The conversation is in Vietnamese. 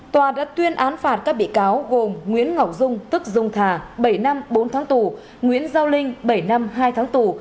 tòa đã tuyên án phạt các bị cáo gồm nguyễn ngọc dung tức dung thà bảy năm bốn tháng tù nguyễn giao linh bảy năm hai tháng tù